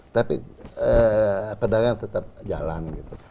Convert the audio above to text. tapi perdagangan tetap jalan